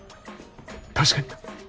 確かに！